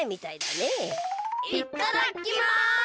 いっただっきます！